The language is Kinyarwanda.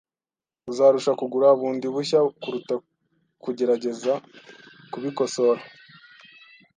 Uzarusha kugura bundi bushya kuruta kugerageza kubikosora